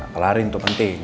kelarin tuh penting